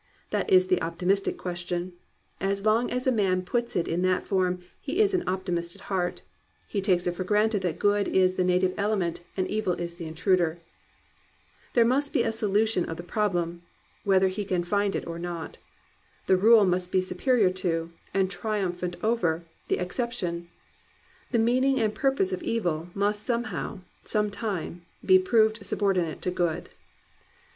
" That is the optimistic question; as long as a man puts it in that form he is an optimist at heart; he takes it for granted that good is the native element and evil is the intruder; there must be a solution of the problem whether he can find it or not; the rule must be superior to, and triumphant over, the ex ception; the meaning and purpose of evil must somehow, some time, be proved subordinate to good.